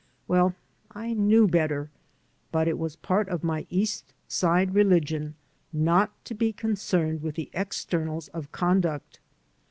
Well, I knew better; but it was part of my East Side religion not to be concerned with the externals of conduct.